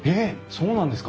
そうなんですか？